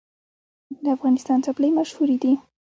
د افغانستان څپلۍ مشهورې دي